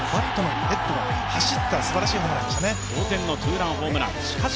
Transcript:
走ったすばらしいホームランでしたね。